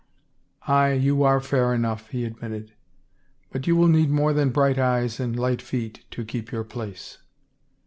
" Aye, you are fair enough," he admitted. " But you will need more than bright eyes and light feet to keep your place."